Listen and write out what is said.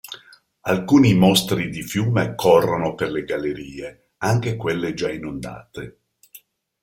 Alcuni mostri di fiume corrono per le gallerie, anche quelle già inondate.